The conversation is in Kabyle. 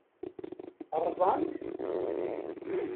Ṛṛẓan-t?